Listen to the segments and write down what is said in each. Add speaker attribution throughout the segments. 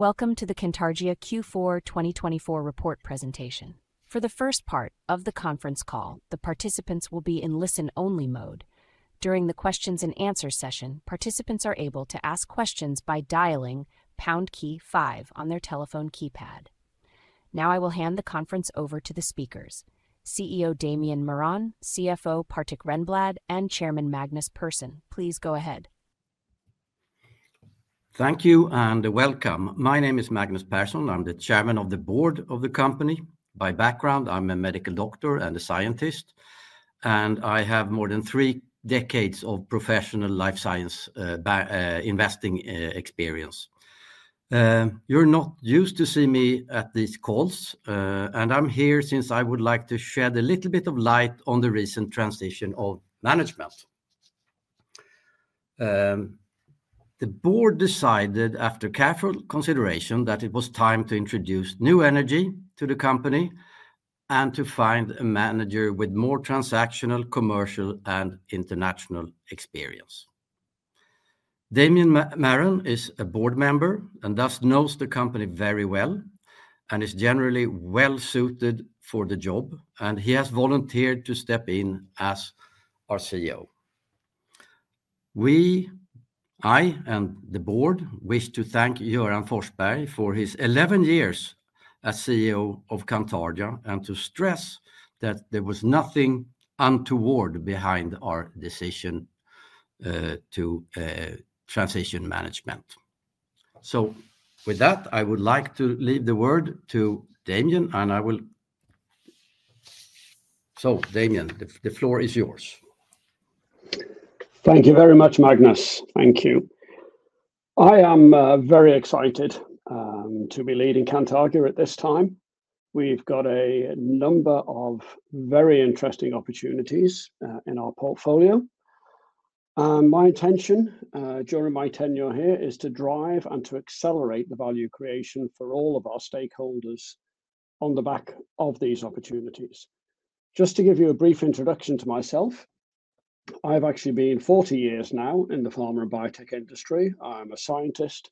Speaker 1: Welcome to the Cantargia Q4 2024 report presentation. For the first part of the conference call, the participants will be in listen-only mode. During the Q&A session, participants are able to ask questions by dialing pound key five on their telephone keypad. Now I will hand the conference over to the speakers: CEO Damian Marron, CFO Patrik Renblad, and Chairman Magnus Persson. Please go ahead.
Speaker 2: Thank you, and welcome. My name is Magnus Persson, I'm the Chairman of the Board of the company. By background, I'm a medical doctor and a scientist, and I have more than three decades of professional life science investing experience. You're not used to seeing me at these calls, and I'm here since I would like to shed a little bit of light on the recent transition of management. The board decided, after careful consideration, that it was time to introduce new energy to the company and to find a manager with more transactional, commercial, and international experience. Damian Marron is a board member and thus knows the company very well and is generally well-suited for the job, and he has volunteered to step in as our CEO. We, I and the board, wish to thank Göran Forsberg for his 11 years as CEO of Cantargia and to stress that there was nothing untoward behind our decision to transition management. With that, I would like to leave the word to Damian, and I will—so Damian, the floor is yours.
Speaker 3: Thank you very much, Magnus. Thank you. I am very excited to be leading Cantargia at this time. We've got a number of very interesting opportunities in our portfolio, and my intention during my tenure here is to drive and to accelerate the value creation for all of our stakeholders on the back of these opportunities. Just to give you a brief introduction to myself, I've actually been 40 years now in the pharma and biotech industry. I'm a scientist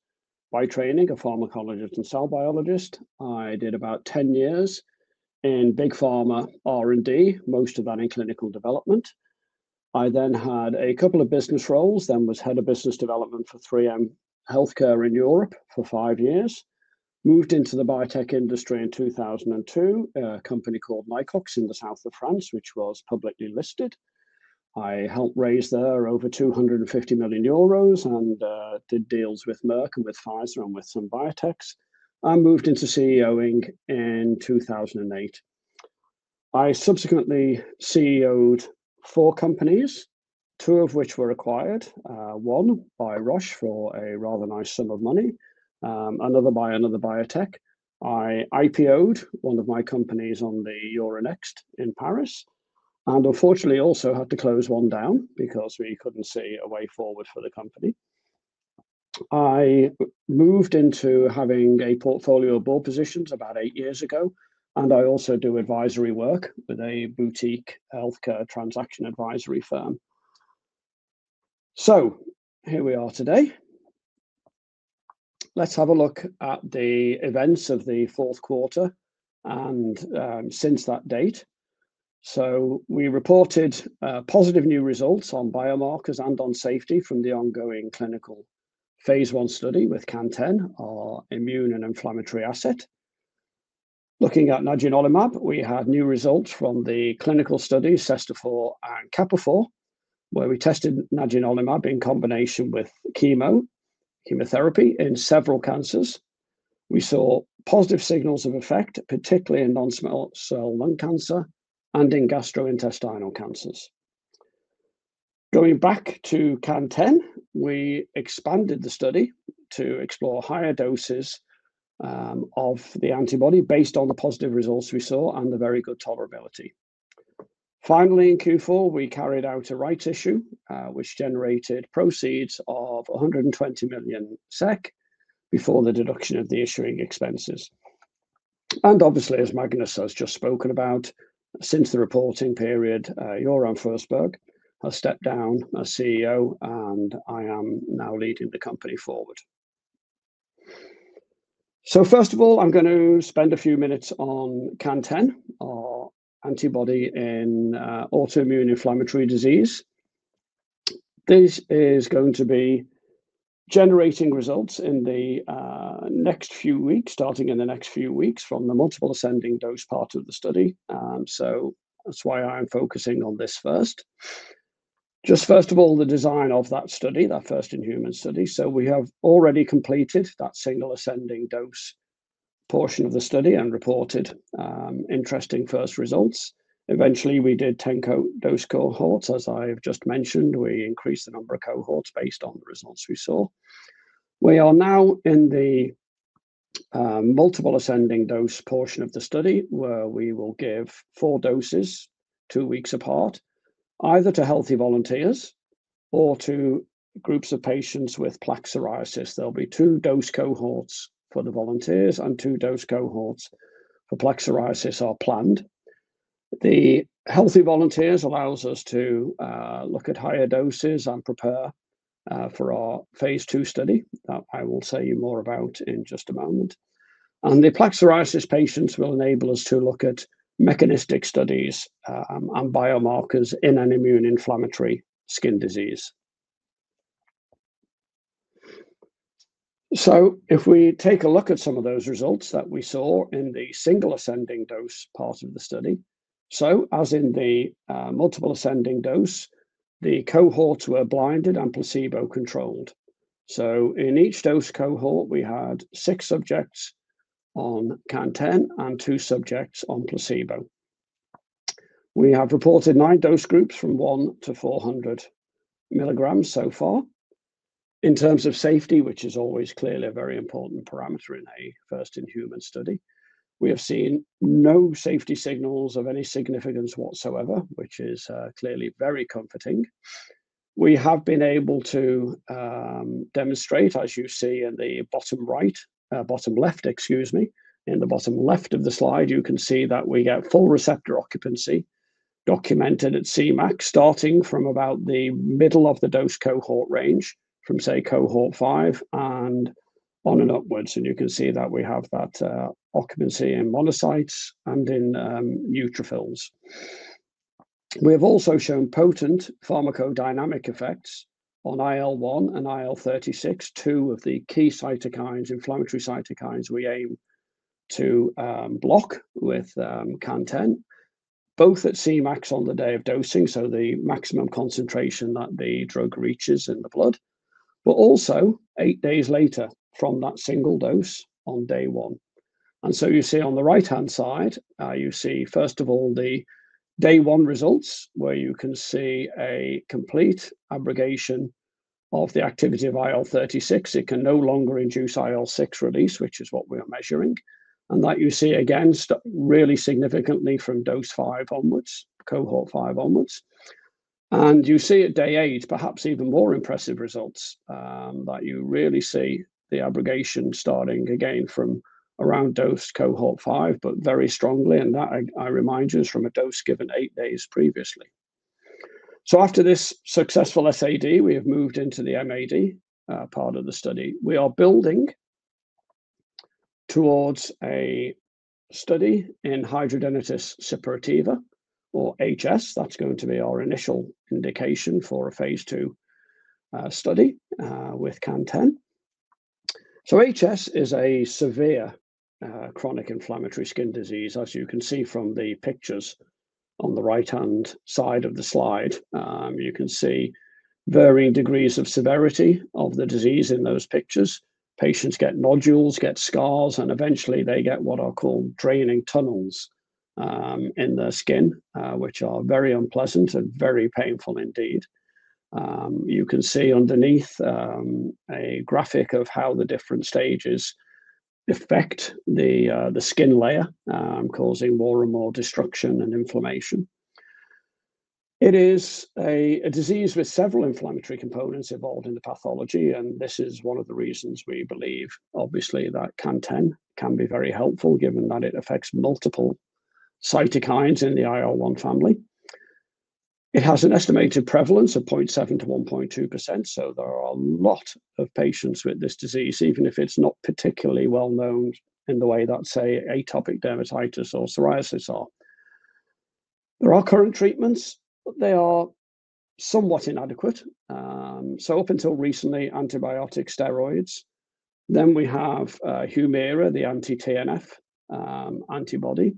Speaker 3: by training, a pharmacologist and cell biologist. I did about 10 years in big pharma R&D, most of that in clinical development. I then had a couple of business roles, then was head of business development for 3M Healthcare in Europe for five years. Moved into the biotech industry in 2002, a company called Nicox in the south of France, which was publicly listed. I helped raise there over 250 million euros and did deals with Merck and with Pfizer and with some biotechs. I moved into CEO-ing in 2008. I subsequently CEO-ed four companies, two of which were acquired, one by Roche for a rather nice sum of money, another by another biotech. I IPO-ed one of my companies on the Euronext in Paris and unfortunately also had to close one down because we could not see a way forward for the company. I moved into having a portfolio of board positions about eight years ago, and I also do advisory work with a boutique healthcare transaction advisory firm. Here we are today. Let's have a look at the events of the fourth quarter and since that date. We reported positive new results on biomarkers and on safety from the ongoing clinical phase one study with CAN10, our immune and inflammatory asset. Looking at nadunolimab, we had new results from the clinical studies TRIFOUR and CAPAFOUR, where we tested nadunolimab in combination with chemotherapy in several cancers. We saw positive signals of effect, particularly in non-small cell lung cancer and in gastrointestinal cancers. Going back to CAN10, we expanded the study to explore higher doses of the antibody based on the positive results we saw and the very good tolerability. Finally, in Q4, we carried out a rights issue, which generated proceeds of 120 million SEK before the deduction of the issuing expenses. Obviously, as Magnus has just spoken about, since the reporting period, Göran Forsberg has stepped down as CEO, and I am now leading the company forward. First of all, I'm going to spend a few minutes on CAN10, our antibody in autoimmune inflammatory disease. This is going to be generating results in the next few weeks, starting in the next few weeks from the multiple ascending dose part of the study. That's why I'm focusing on this first. Just first of all, the design of that study, that first in human study. We have already completed that single ascending dose portion of the study and reported interesting first results. Eventually, we did 10 dose cohorts, as I've just mentioned. We increased the number of cohorts based on the results we saw. We are now in the multiple ascending dose portion of the study, where we will give four doses two weeks apart, either to healthy volunteers or to groups of patients with plaque psoriasis. There will be two dose cohorts for the volunteers and two dose cohorts for plaque psoriasis are planned. The healthy volunteers allow us to look at higher doses and prepare for our phase two study that I will say more about in just a moment. The plaque psoriasis patients will enable us to look at mechanistic studies and biomarkers in an immune inflammatory skin disease. If we take a look at some of those results that we saw in the single ascending dose part of the study, as in the multiple ascending dose, the cohorts were blinded and placebo controlled. In each dose cohort, we had six subjects on CAN10 and two subjects on placebo. We have reported nine dose groups from 1-400 milligrams so far. In terms of safety, which is always clearly a very important parameter in a first in human study, we have seen no safety signals of any significance whatsoever, which is clearly very comforting. We have been able to demonstrate, as you see in the bottom right, bottom left, excuse me, in the bottom left of the slide, you can see that we get full receptor occupancy documented at Cmax starting from about the middle of the dose cohort range from, say, cohort five and on and upwards. You can see that we have that occupancy in monocytes and in neutrophils. We have also shown potent pharmacodynamic effects on IL-1 and IL-36, two of the key cytokines, inflammatory cytokines we aim to block with CAN10, both at Cmax on the day of dosing, so the maximum concentration that the drug reaches in the blood, but also eight days later from that single dose on day one. You see on the right-hand side, you see first of all the day one results, where you can see a complete abrogation of the activity of IL-36. It can no longer induce IL-6 release, which is what we are measuring. You see again really significantly from dose five onwards, cohort five onwards. You see at day eight, perhaps even more impressive results that you really see the abrogation starting again from around dose cohort five, but very strongly. That, I remind you, is from a dose given eight days previously. After this successful SAD, we have moved into the MAD part of the study. We are building towards a study in hidradenitis suppurativa, or HS. That's going to be our initial indication for a phase two study with CAN10. HS is a severe chronic inflammatory skin disease, as you can see from the pictures on the right-hand side of the slide. You can see varying degrees of severity of the disease in those pictures. Patients get nodules, get scars, and eventually they get what are called draining tunnels in their skin, which are very unpleasant and very painful indeed. You can see underneath a graphic of how the different stages affect the skin layer, causing more and more destruction and inflammation. It is a disease with several inflammatory components involved in the pathology, and this is one of the reasons we believe, obviously, that CAN10 can be very helpful given that it affects multiple cytokines in the IL-1 family. It has an estimated prevalence of 0.7%-1.2%, so there are a lot of patients with this disease, even if it's not particularly well known in the way that, say, atopic dermatitis or psoriasis are. There are current treatments, but they are somewhat inadequate. Up until recently, antibiotic steroids. Then we have Humira, the anti-TNF antibody.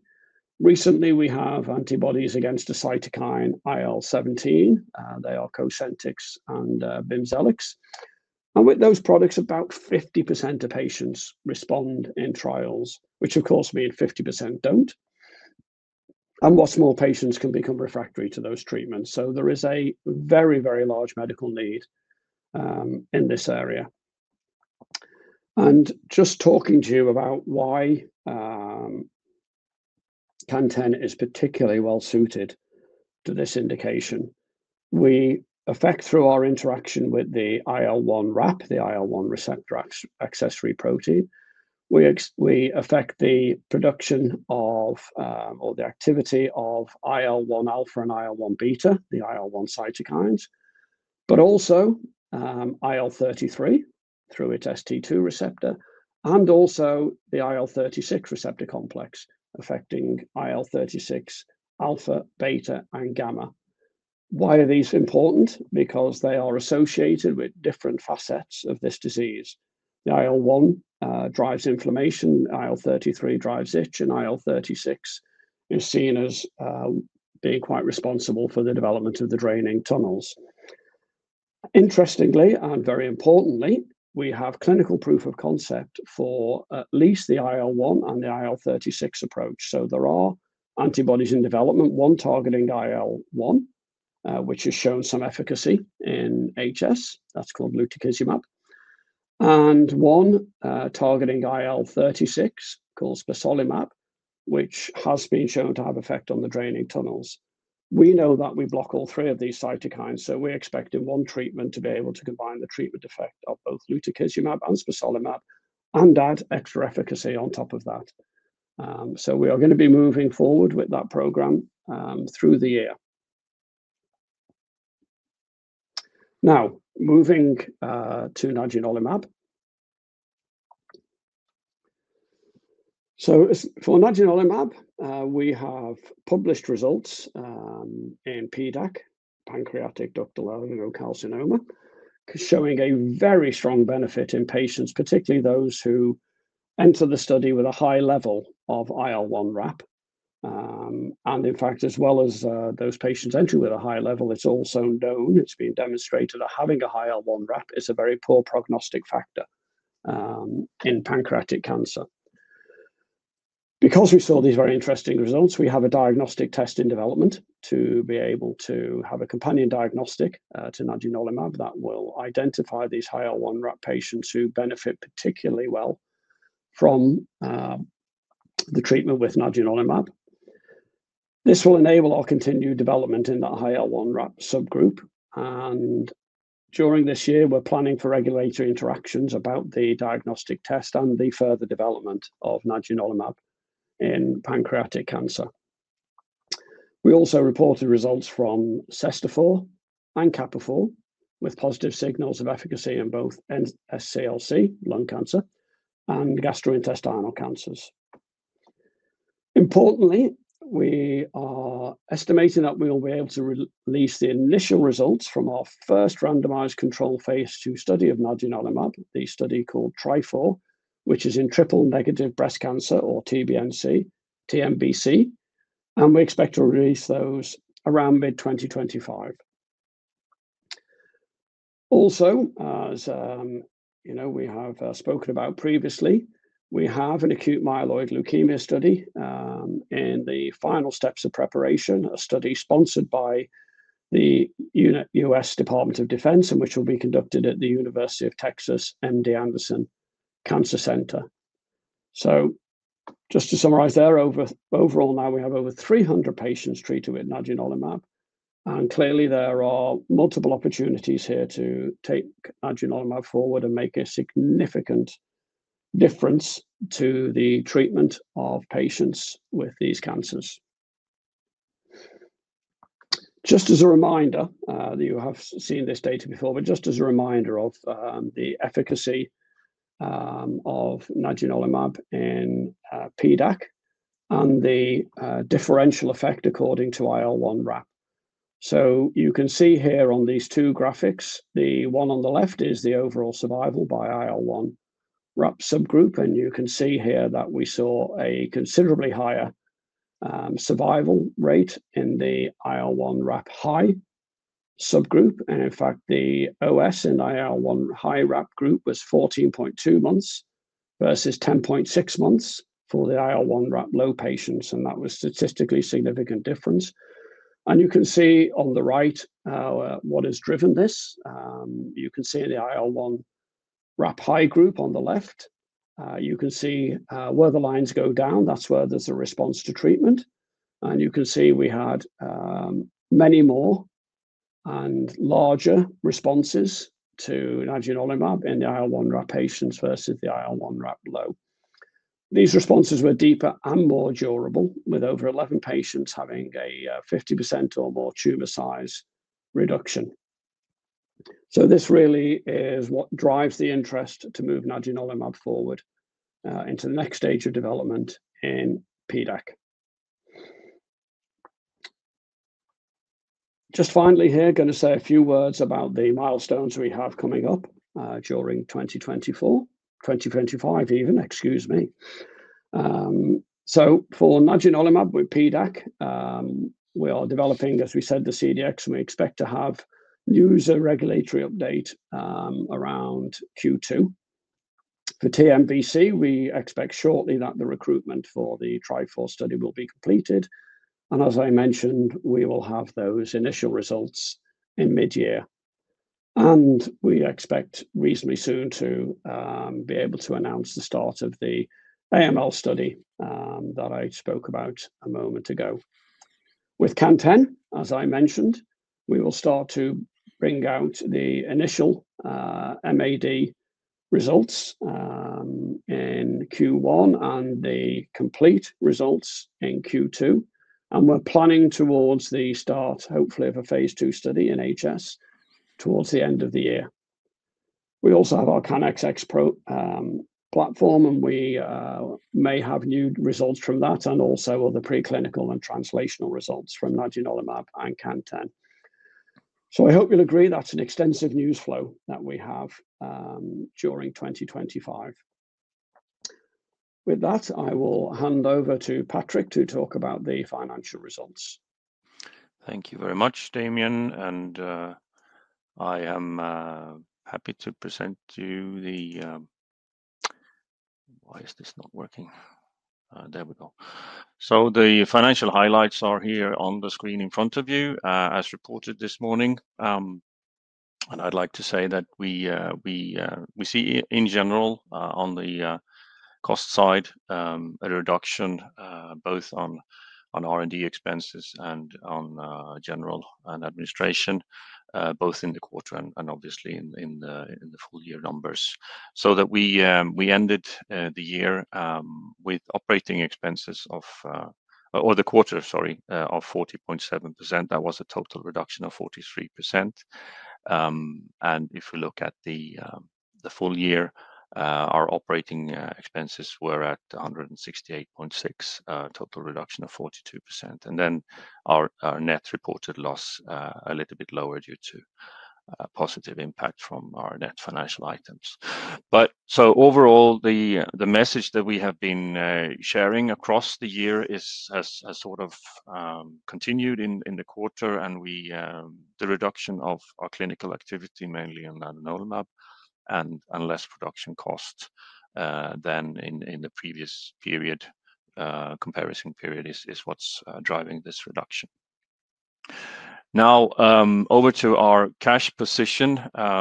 Speaker 3: Recently, we have antibodies against a cytokine, IL-17. They are Cosentyx and Bimzelx. With those products, about 50% of patients respond in trials, which of course means 50% don't. What's more, patients can become refractory to those treatments. There is a very, very large medical need in this area. Just talking to you about why CAN10 is particularly well suited to this indication, we affect through our interaction with the IL1RAP, the IL-1 receptor accessory protein. We affect the production of, or the activity of IL-1 alpha and IL-1 beta, the IL-1 cytokines, but also IL-33 through its ST2 receptor, and also the IL-36 receptor complex affecting IL-36 alpha, beta, and gamma. Why are these important? Because they are associated with different facets of this disease. The IL-1 drives inflammation, IL-33 drives it, and IL-36 is seen as being quite responsible for the development of the draining tunnels. Interestingly and very importantly, we have clinical proof of concept for at least the IL-1 and the IL-36 approach. There are antibodies in development, one targeting IL-1, which has shown some efficacy in HS. That's called lutikizumab. And one targeting IL-36 called spesolimab, which has been shown to have effect on the draining tunnels. We know that we block all three of these cytokines, so we're expecting one treatment to be able to combine the treatment effect of both lutikizumab and spesolimab and add extra efficacy on top of that. We are going to be moving forward with that program through the year. Now, moving to nadunolimab. For nadunolimab, we have published results in PDAC, pancreatic ductal adenocarcinoma, showing a very strong benefit in patients, particularly those who enter the study with a high level of IL1RAP. In fact, as well as those patients entering with a high level, it's also known, it's been demonstrated that having a high IL1RAP is a very poor prognostic factor in pancreatic cancer. Because we saw these very interesting results, we have a diagnostic test in development to be able to have a companion diagnostic to nadunolimab that will identify these high IL1RAP patients who benefit particularly well from the treatment with nadunolimab. This will enable our continued development in that high IL1RAP subgroup. During this year, we're planning for regulatory interactions about the diagnostic test and the further development of nadunolimab in pancreatic cancer. We also reported results from CESTAFOUR and CAPAFOUR with positive signals of efficacy in both NSCLC lung cancer and gastrointestinal cancers. Importantly, we are estimating that we will be able to release the initial results from our first randomized control phase II study of nadunolimab, the study called TRIFOUR, which is in triple-negative breast cancer, or TNBC. We expect to release those around mid-2025. Also, as you know, we have spoken about previously, we have an acute myeloid leukemia study in the final steps of preparation, a study sponsored by the U.S. Department of Defense, which will be conducted at the University of Texas MD Anderson Cancer Center. Just to summarize there, overall now we have over 300 patients treated with nadunolimab. Clearly, there are multiple opportunities here to take nadunolimab forward and make a significant difference to the treatment of patients with these cancers. Just as a reminder, you have seen this data before, but just as a reminder of the efficacy of nadunolimab in PDAC and the differential effect according to IL1RAP. You can see here on these two graphics, the one on the left is the overall survival by IL1RAP subgroup, and you can see here that we saw a considerably higher survival rate in the IL1RAP high subgroup. In fact, the OS in the IL1RAP high group was 14.2 months versus 10.6 months for the IL1RAP low patients, and that was a statistically significant difference. You can see on the right what has driven this. You can see in the IL1RAP high group on the left, you can see where the lines go down, that is where there is a response to treatment. You can see we had many more and larger responses to nadunolimab in the IL1RAP high patients versus the IL1RAP low. These responses were deeper and more durable, with over 11 patients having a 50% or more tumor size reduction. This really is what drives the interest to move nadunolimab forward into the next stage of development in PDAC. Just finally here, I'm going to say a few words about the milestones we have coming up during 2024, 2025 even, excuse me. For nadunolimab with PDAC, we are developing, as we said, the CDX, and we expect to have news and regulatory update around Q2. For TNBC, we expect shortly that the recruitment for the TRIFOUR study will be completed. As I mentioned, we will have those initial results in mid-year. We expect reasonably soon to be able to announce the start of the AML study that I spoke about a moment ago. With CAN10, as I mentioned, we will start to bring out the initial MAD results in Q1 and the complete results in Q2. We are planning towards the start, hopefully, of a phase two study in HS towards the end of the year. We also have our CAN10 platform, and we may have new results from that and also other preclinical and translational results from nadunolimab and CAN10. I hope you'll agree that's an extensive news flow that we have during 2025. With that, I will hand over to Patrik to talk about the financial results.
Speaker 4: Thank you very much, Damian. I am happy to present to you the—why is this not working? There we go. The financial highlights are here on the screen in front of you, as reported this morning. I would like to say that we see, in general, on the cost side, a reduction both on R&D expenses and on general administration, both in the quarter and obviously in the full year numbers. We ended the year with operating expenses of—or the quarter, sorry, of 40.7%. That was a total reduction of 43%. If we look at the full year, our operating expenses were at 168.6 million, total reduction of 42%. Our net reported loss was a little bit lower due to positive impact from our net financial items. Overall, the message that we have been sharing across the year has sort of continued in the quarter, and the reduction of our clinical activity, mainly on nadunolimab, and less production cost than in the previous comparison period is what's driving this reduction. Now, over to our cash position,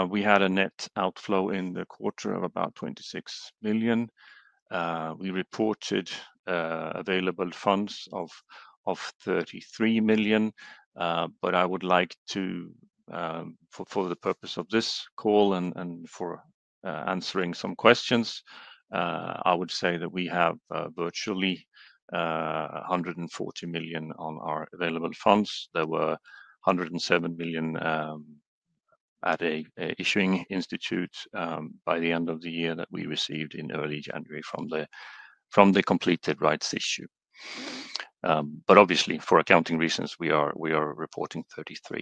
Speaker 4: we had a net outflow in the quarter of about 26 million. We reported available funds of 33 million. I would like to, for the purpose of this call and for answering some questions, say that we have virtually 140 million on our available funds. There were 107 million at an issuing institute by the end of the year that we received in early January from the completed rights issue. Obviously, for accounting reasons, we are reporting 33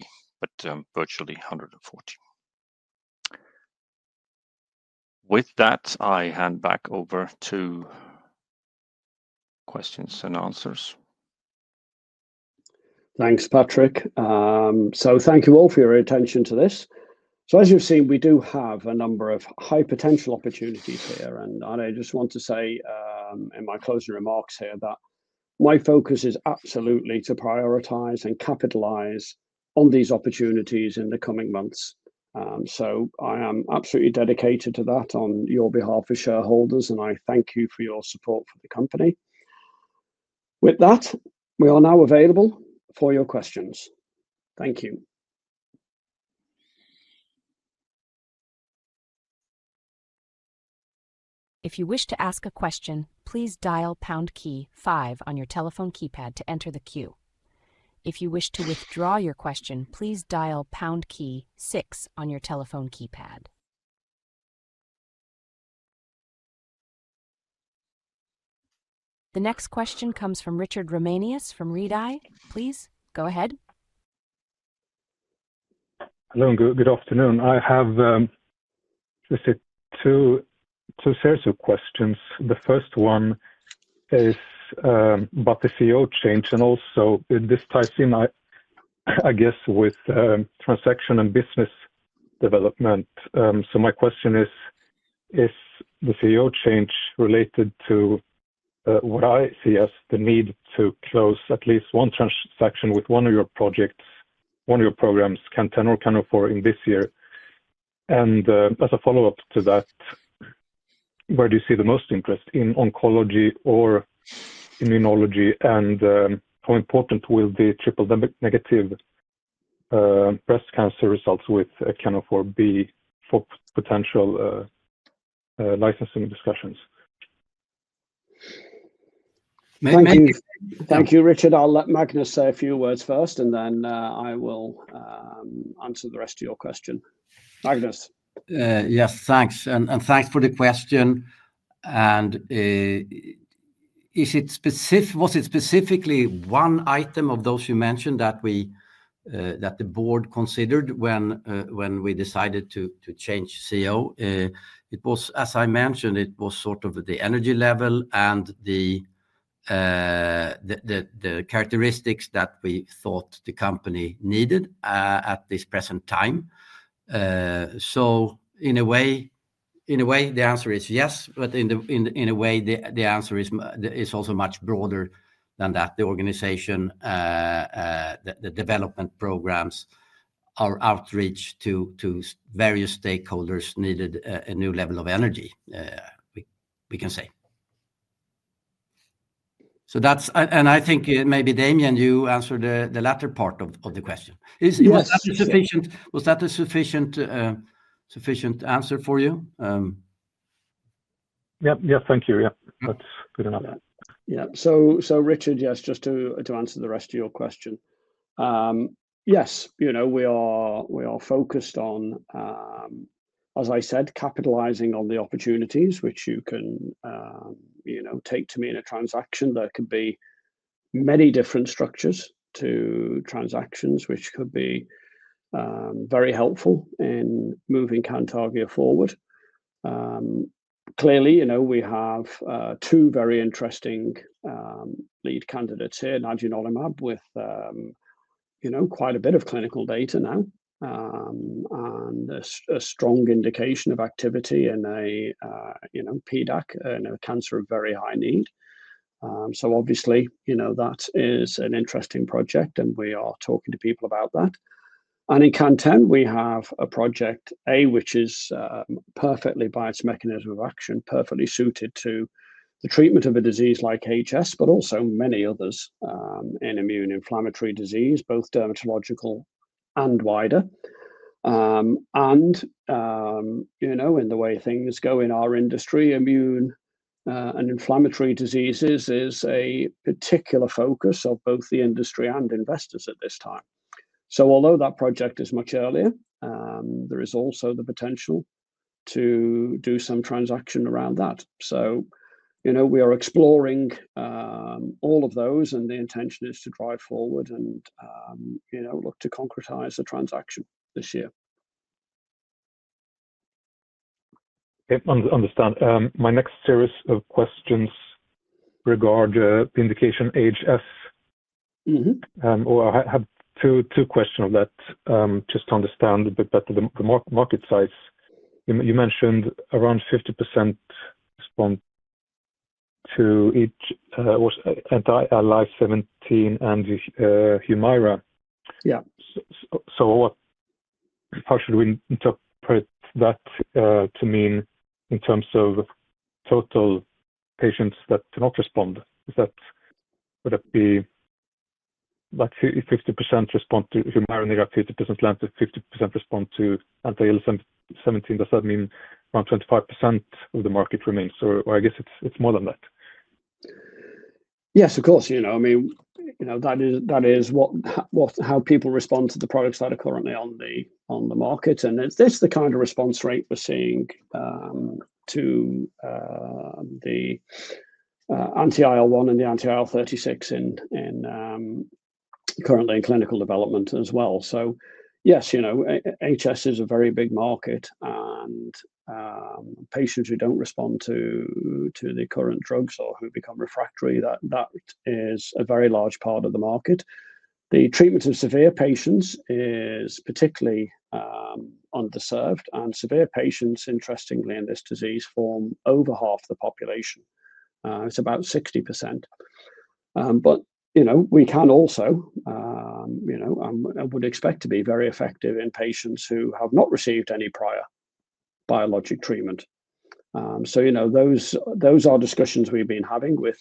Speaker 4: million, but virtually 140 million. With that, I hand back over to questions and answers.
Speaker 3: Thanks, Patrik. Thank you all for your attention to this. As you have seen, we do have a number of high potential opportunities here. I just want to say in my closing remarks here that my focus is absolutely to prioritize and capitalize on these opportunities in the coming months. I am absolutely dedicated to that on your behalf as shareholders, and I thank you for your support for the company. With that, we are now available for your questions. Thank you.
Speaker 1: If you wish to ask a question, please dial pound key five on your telephone keypad to enter the queue. If you wish to withdraw your question, please dial pound key six on your telephone keypad. The next question comes from Richard Ramanius from Redeye. Please go ahead.
Speaker 5: Hello, and good afternoon. I have two sets of questions. The first one is about the CEO change, and also this ties in, I guess, with transaction and business development. My question is, is the CEO change related to what I see as the need to close at least one transaction with one of your projects, one of your programs, CAN10, CAN04, in this year? As a follow-up to that, where do you see the most interest in oncology or immunology, and how important will the triple negative breast cancer results with CAN04 be for potential licensing discussions? Thank you.
Speaker 3: Thank you, Richard. I'll let Magnus say a few words first, and then I will answer the rest of your question. Magnus.
Speaker 2: Yes, thanks. Thanks for the question. Was it specifically one item of those you mentioned that the board considered when we decided to change CEO? It was, as I mentioned, sort of the energy level and the characteristics that we thought the company needed at this present time. In a way, the answer is yes, but in a way, the answer is also much broader than that. The organization, the development programs, our outreach to various stakeholders needed a new level of energy, we can say. I think maybe, Damian, you answered the latter part of the question. Was that a sufficient answer for you?
Speaker 5: Yep. Yep. Thank you. Yep. That's good enough.
Speaker 3: Yeah. Richard, yes, just to answer the rest of your question. Yes, we are focused on, as I said, capitalizing on the opportunities which you can take to me in a transaction. There could be many different structures to transactions which could be very helpful in moving Cantargia forward. Clearly, we have two very interesting lead candidates here, nadunolimab, with quite a bit of clinical data now and a strong indication of activity in PDAC and a cancer of very high need. That is an interesting project, and we are talking to people about that. In CAN10, we have a project A, which is perfectly, by its mechanism of action, perfectly suited to the treatment of a disease like HS, but also many others in immune inflammatory disease, both dermatological and wider. In the way things go in our industry, immune and inflammatory diseases is a particular focus of both the industry and investors at this time. Although that project is much earlier, there is also the potential to do some transaction around that. We are exploring all of those, and the intention is to drive forward and look to concretize the transaction this year.
Speaker 5: Yep. Understand. My next series of questions regard the indication HS. I have two questions of that just to understand a bit better the market size. You mentioned around 50% response to each anti-IL-17 and Humira. How should we interpret that to mean in terms of total patients that do not respond? Would that be 50% response to Humira, 50%-50% response to anti-IL-17? Does that mean around 25% of the market remains, or I guess it's more than that?
Speaker 2: Yes, of course.
Speaker 3: I mean, that is how people respond to the products that are currently on the market. It's this, the kind of response rate we're seeing to the anti-IL-1 and the anti-IL-36 currently in clinical development as well. Yes, HS is a very big market, and patients who don't respond to the current drugs or who become refractory, that is a very large part of the market. The treatment of severe patients is particularly underserved. Severe patients, interestingly, in this disease form over half the population. It's about 60%. We can also and would expect to be very effective in patients who have not received any prior biologic treatment. Those are discussions we've been having with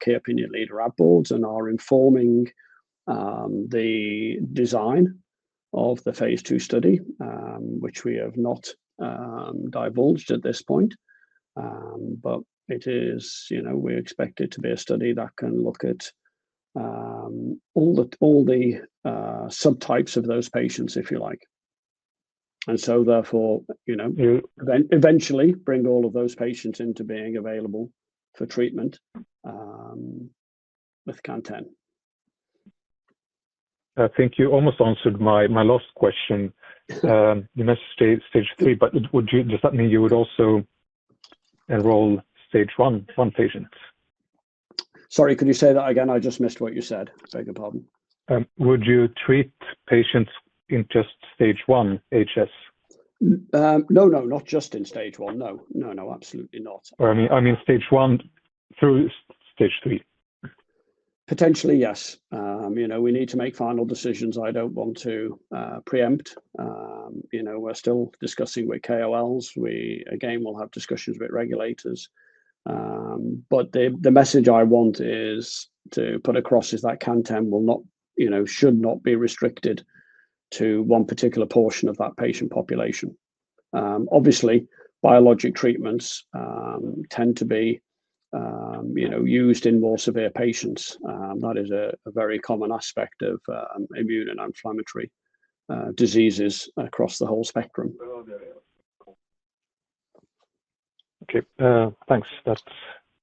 Speaker 3: key opinion leader ad boards and are informing the design of the phase two study, which we have not divulged at this point. We expect it to be a study that can look at all the subtypes of those patients, if you like. Therefore, eventually, bring all of those patients into being available for treatment with CAN10.
Speaker 5: I think you almost answered my last question. You mentioned stage three, but does that mean you would also enroll stage one patients?
Speaker 3: Sorry, could you say that again? I just missed what you said. It's a very good problem.
Speaker 5: Would you treat patients in just stage one, HS?
Speaker 3: No, not just in stage one. No, absolutely not.
Speaker 5: I mean, stage one through stage three?
Speaker 3: Potentially, yes. We need to make final decisions. I do not want to preempt. We are still discussing with KOLs. Again, we will have discussions with regulators. The message I want to put across is that CAN10 should not be restricted to one particular portion of that patient population. Obviously, biologic treatments tend to be used in more severe patients. That is a very common aspect of immune and inflammatory diseases across the whole spectrum.
Speaker 5: Okay. Thanks. That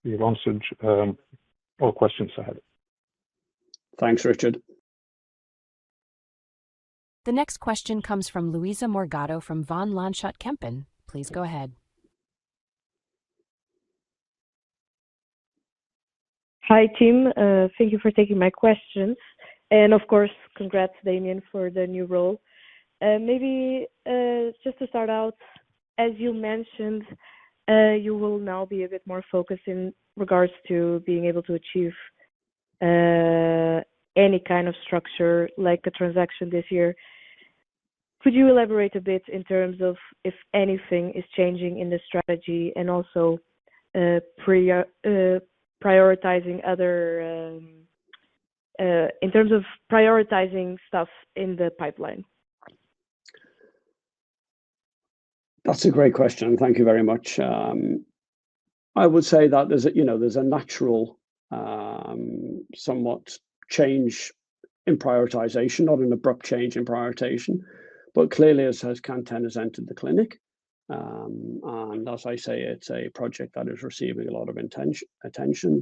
Speaker 5: is the answer to all questions I had.
Speaker 3: Thanks, Richard.
Speaker 1: The next question comes from Luísa Morgado from Van Lanschot Kempen. Please go ahead.
Speaker 6: Hi, Tim. Thank you for taking my question. Of course, congrats, Damian, for the new role. Maybe just to start out, as you mentioned, you will now be a bit more focused in regards to being able to achieve any kind of structure like the transaction this year. Could you elaborate a bit in terms of if anything is changing in the strategy and also prioritizing other in terms of prioritizing stuff in the pipeline?
Speaker 3: That's a great question. Thank you very much. I would say that there's a natural somewhat change in prioritization, not an abrupt change in prioritization. Clearly, as CAN10 has entered the clinic, and as I say, it's a project that is receiving a lot of attention,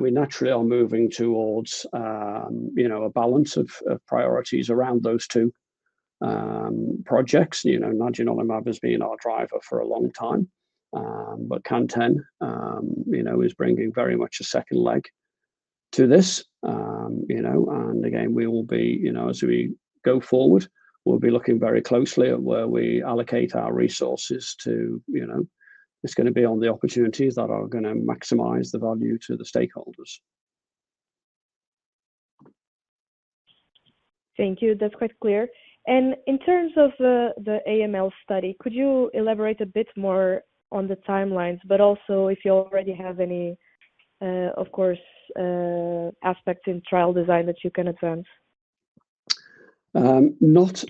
Speaker 3: we naturally are moving towards a balance of priorities around those two projects. nadunolimab has been our driver for a long time, but CAN10 is bringing very much a second leg to this. Again, we will be, as we go forward, we'll be looking very closely at where we allocate our resources to. It's going to be on the opportunities that are going to maximize the value to the stakeholders.
Speaker 6: Thank you. That's quite clear. In terms of the AML study, could you elaborate a bit more on the timelines, but also if you already have any, of course, aspects in trial design that you can attempt?
Speaker 3: Nothing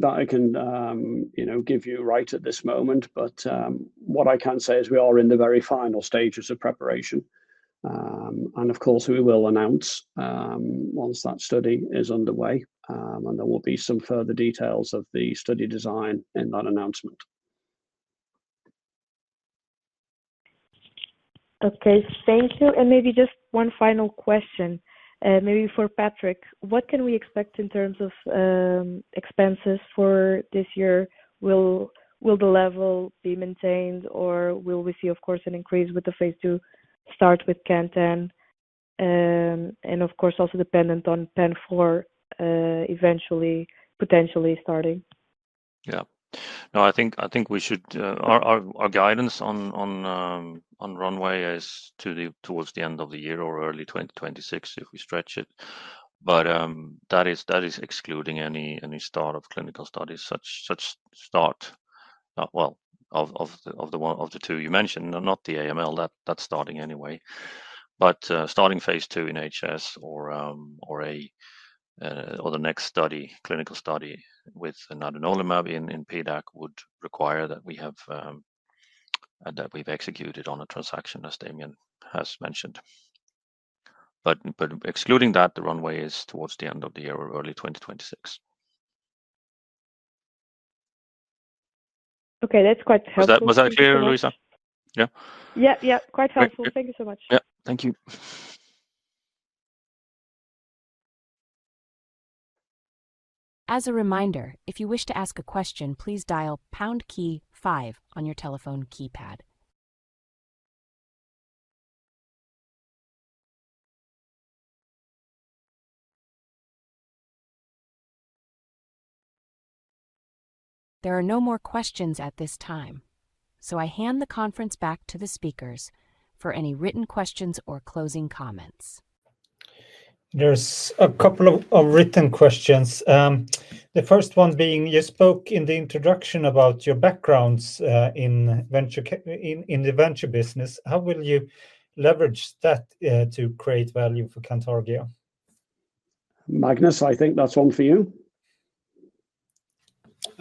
Speaker 3: that I can give you right at this moment, but what I can say is we are in the very final stages of preparation. Of course, we will announce once that study is underway, and there will be some further details of the study design in that announcement.
Speaker 6: Okay. Thank you. Maybe just one final question, maybe for Patrik. What can we expect in terms of expenses for this year? Will the level be maintained, or will we see, of course, an increase with the phase two start with CAN10? And of course, also dependent on PEN IV eventually potentially starting.
Speaker 4: Yeah. No, I think we should our guidance on runway is towards the end of the year or early 2026 if we stretch it. That is excluding any start of clinical studies, such start, of the two you mentioned, not the AML that's starting anyway. Starting phase two in HS or the next study, clinical study with another nadunolimab in PDAC would require that we have that we've executed on a transaction, as Damian has mentioned. Excluding that, the runway is towards the end of the year or early 2026.
Speaker 6: Okay. That's quite helpful.
Speaker 4: Was that clear, Luísa? Yeah.
Speaker 6: Yeah. Yeah. Quite helpful. Thank you so much.
Speaker 4: Yeah. Thank you.
Speaker 1: As a reminder, if you wish to ask a question, please dial pound key five on your telephone keypad. There are no more questions at this time, so I hand the conference back to the speakers for any written questions or closing comments. There's a couple of written questions. The first one being, you spoke in the introduction about your backgrounds in the venture business. How will you leverage that to create value for Cantargia?
Speaker 3: Magnus, I think that's one for you.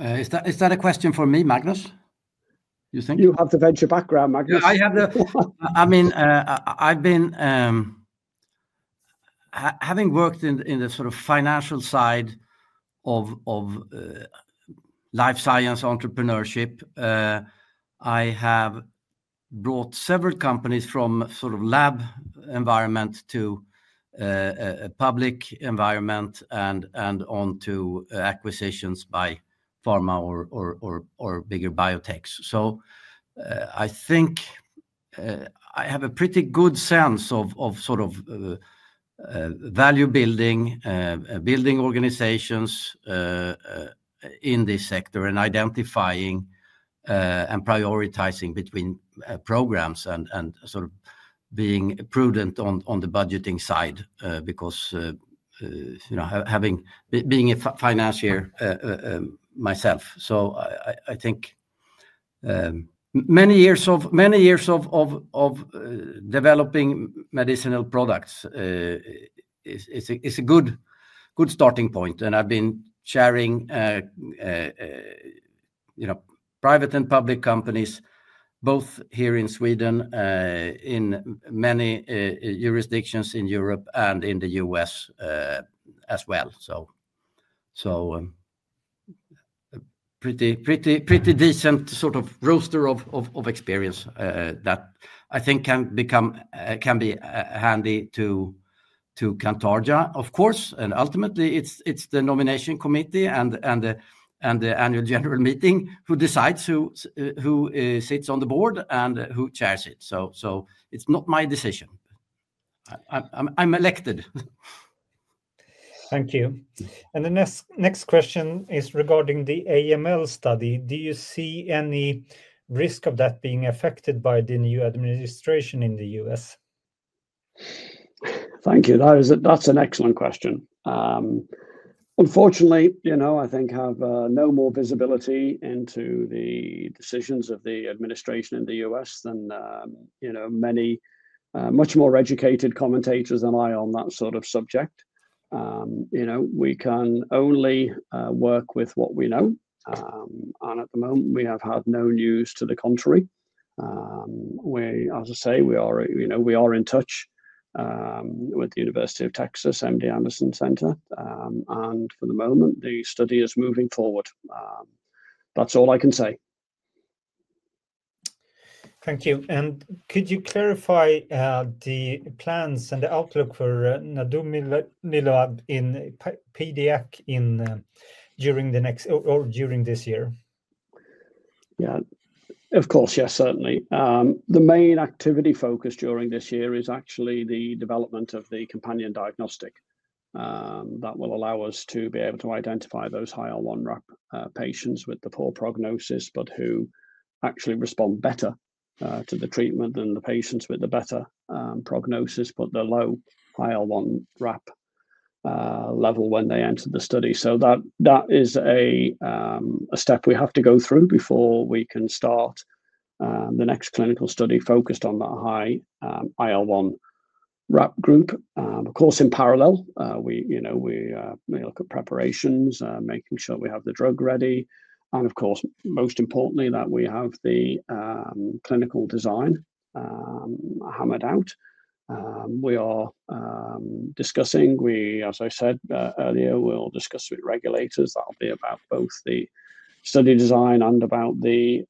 Speaker 2: Is that a question for me, Magnus?
Speaker 4: You think?
Speaker 3: You have the venture background, Magnus.
Speaker 2: I mean, having worked in the sort of financial side of life science entrepreneurship, I have brought several companies from sort of lab environment to public environment and on to acquisitions by pharma or bigger biotechs. I think I have a pretty good sense of sort of value-building, building organizations in this sector and identifying and prioritizing between programs and sort of being prudent on the budgeting side because being a financier myself. I think many years of developing medicinal products is a good starting point. And I've been chairing private and public companies, both here in Sweden, in many jurisdictions in Europe and in the U.S. as well. Pretty decent sort of roster of experience that I think can be handy to Cantargia, of course. Ultimately, it's the nomination committee and the annual general meeting who decides who sits on the board and who chairs it. It's not my decision. I'm elected. Thank you. The next question is regarding the AML study. Do you see any risk of that being affected by the new administration in the U.S.?
Speaker 3: Thank you. That's an excellent question. Unfortunately, I think I have no more visibility into the decisions of the administration in the U.S. than many much more educated commentators than I on that sort of subject. We can only work with what we know. At the moment, we have had no news to the contrary. As I say, we are in touch with the University of Texas MD Anderson Cancer Center. For the moment, the study is moving forward. That's all I can say. Thank you. Could you clarify the plans and the outlook for nadunolimab in PDAC during the next or during this year? Yeah. Of course, yes, certainly. The main activity focus during this year is actually the development of the companion diagnostic that will allow us to be able to identify those high IL1RAP patients with the poor prognosis, but who actually respond better to the treatment than the patients with the better prognosis, but the low high IL1RAP level when they enter the study. That is a step we have to go through before we can start the next clinical study focused on that high IL1RAP group. Of course, in parallel, we may look at preparations, making sure we have the drug ready. Of course, most importantly, that we have the clinical design hammered out. We are discussing. As I said earlier, we'll discuss with regulators. That'll be about both the study design and about the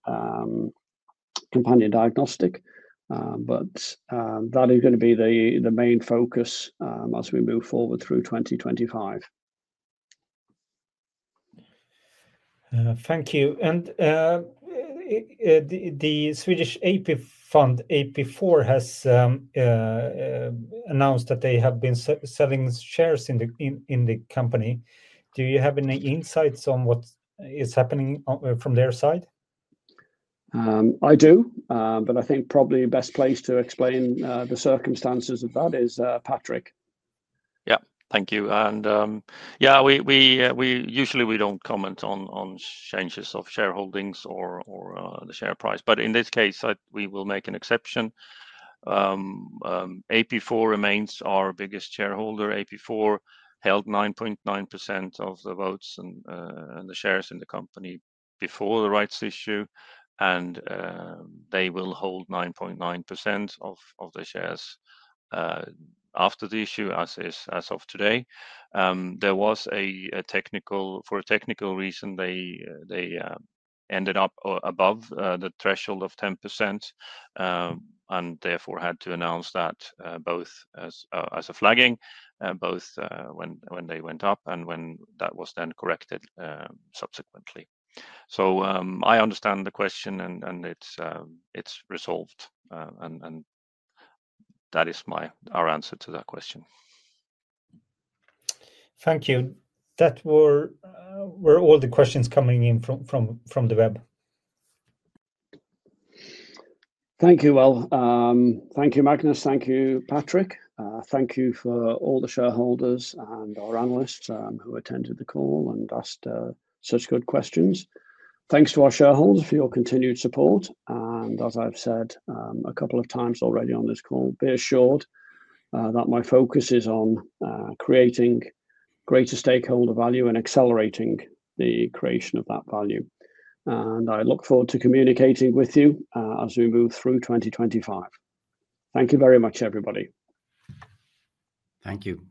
Speaker 3: companion diagnostic. That is going to be the main focus as we move forward through 2025. Thank you. The Swedish AP Fund, AP4, has announced that they have been selling shares in the company. Do you have any insights on what is happening from their side? I do. I think probably the best place to explain the circumstances of that is Patrik.
Speaker 4: Yeah. Thank you. Usually, we do not comment on changes of shareholdings or the share price. In this case, we will make an exception. AP4 remains our biggest shareholder. AP4 held 9.9% of the votes and the shares in the company before the rights issue. They will hold 9.9% of the shares after the issue as of today. There was a technical, for a technical reason, they ended up above the threshold of 10% and therefore had to announce that both as a flagging, both when they went up and when that was then corrected subsequently. I understand the question and it is resolved. That is our answer to that question.
Speaker 3: Thank you. That were all the questions coming in from the web. Thank you, Will. Thank you, Magnus. Thank you, Patrik. Thank you for all the shareholders and our analysts who attended the call and asked such good questions. Thanks to our shareholders for your continued support. As I have said a couple of times already on this call, be assured that my focus is on creating greater stakeholder value and accelerating the creation of that value. I look forward to communicating with you as we move through 2025. Thank you very much, everybody.
Speaker 2: Thank you.